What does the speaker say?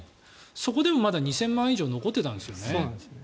そこでもまだ２０００万円以上残っていたんですよね。